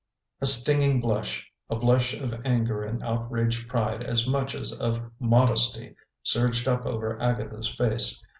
A stinging blush a blush of anger and outraged pride as much as of modesty surged up over Agatha's face.